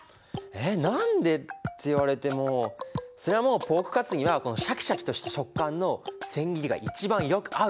えっ何でって言われてもそれはもうポークカツにはこのシャキシャキとした食感の千切りが一番よく合うからだよ。